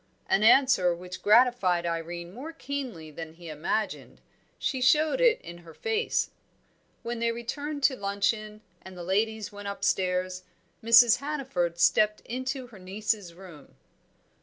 An answer which gratified Irene more keenly than he imagined; she showed it in her face. When they returned to luncheon, and the ladies went upstairs, Mrs. Hannaford stepped into her niece's room.